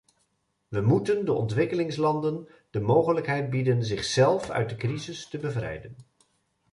We moeten de ontwikkelingslanden de mogelijkheid bieden zichzelf uit de crisis te bevrijden.